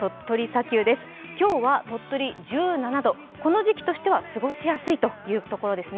今日は鳥取１７度この時期としては過ごしやすいというところですね。